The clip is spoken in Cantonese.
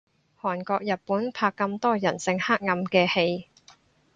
韓國日本拍咁多人性黑暗嘅戲